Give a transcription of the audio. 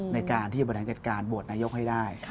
ในการที่บรรยายเจ็ดการบวชนายกให้ได้